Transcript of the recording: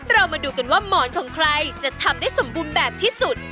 เรามาดูกันว่าหมอนของใครจะทำได้สมบูรณ์แบบที่สุด